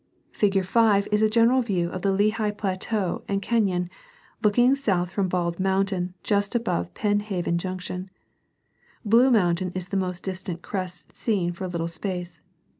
Fig. 5 is a J V'ir ^^t general view of the Lehigh plateau I :':: ^"^P and canon, looking south from Bald • j "'^?j Mountain just above Penn Haven 7 '~^^ Junction. Blue mountain is the most j^^3 distant crest, seen for a little space.